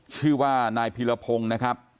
ชื่อว่านายพีรพงศ์นะครับ